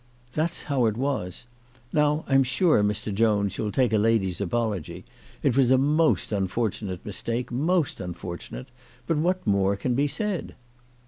" That's how it was. Now I'm sure, Mr. Jones, you'll take a lady's apology. It was a most unfortunate mis take, most unfortunate; but what more can be said?"